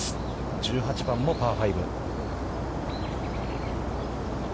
１８番もパー５。